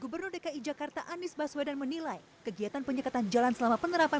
gubernur dki jakarta anies baswedan menilai kegiatan penyekatan jalan selama penerapan